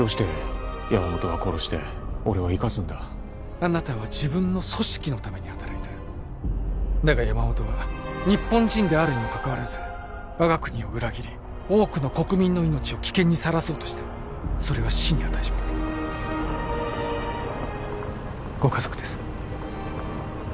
あなたは自分の組織のために働いただが山本は日本人であるにもかかわらず我が国を裏切り多くの国民の命を危険にさらそうとしたそれは死に値しますご家族です